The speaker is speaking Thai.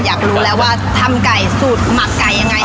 อยากรู้แล้วว่าทำไก่สูตรหมักไก่ยังไง